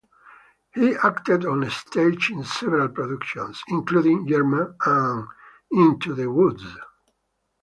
He acted on stage in several productions, including "Yerma" and "Into the Woods".